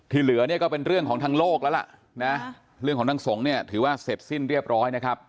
เหลือเนี่ยก็เป็นเรื่องของทางโลกแล้วล่ะนะเรื่องของทางสงฆ์เนี่ยถือว่าเสร็จสิ้นเรียบร้อยนะครับ